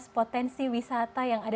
potensi wisata yang ada